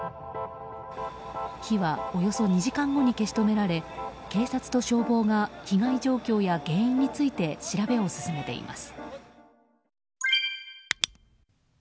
火は、およそ２時間後に消し止められ警察と消防が被害状況や原因について調べを進めています。